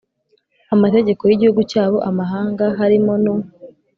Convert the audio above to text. amategeko y'igihugu cyabo. amahanga, harimo n'u